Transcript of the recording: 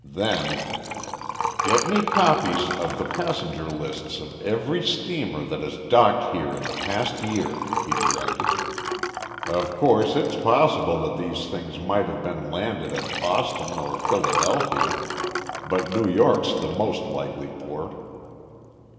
Then: "Get me copies of the passenger lists of every steamer that has docked here in the past year," he directed. "Of course it's possible that these things might have been landed at Boston or Philadelphia, but New York's the most likely port."